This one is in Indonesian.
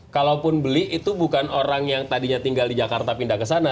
kalaupun beli itu bukan orang yang tadinya tinggal di jakarta pindah ke sana